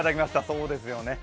そうですよね。